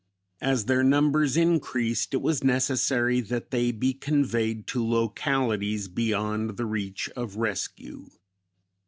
As their numbers increased, it was necessary that they be conveyed to localities beyond the reach of rescue.